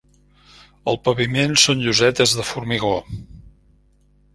El paviment són llosetes de formigó.